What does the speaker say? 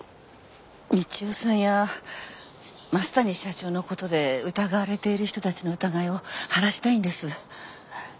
道夫さんや増谷社長のことで疑われている人たちの疑いを晴らしたいんです。